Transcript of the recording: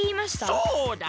そうだ！